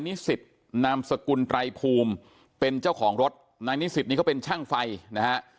นิสิทธินามสกุลไตรภูมิเป็นเจ้าของรถนายนิสิทธิ์นี้ก็เป็นช่างไฟนะ